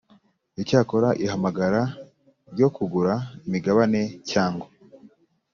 Icyakora ihamagara ryo kugura imigabane cyangwa